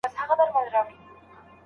ایا اوږده ډوډۍ ماڼۍ ته وړل کیږي؟